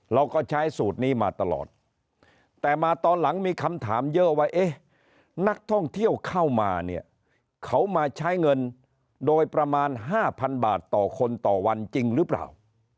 เราก็ใช้สูตรนี้มาตลอดแต่มาตอนหลังมีคำถามเยอะว่าเอ๊ะนักท่องเที่ยวเข้ามาเนี่ยเขามาใช้เงินโดยประมาณ๕๐๐บาทต่อคนต่อวันจริงหรือเปล่า